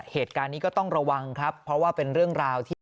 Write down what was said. เหตุการณ์นี้ก็ต้องระวังครับเพราะว่าเป็นเรื่องราวที่